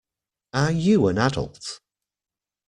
Are you an adult?